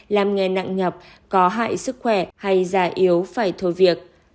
làm nghề nặng nhọc có hại sức khỏe hay già yếu phải thôi việc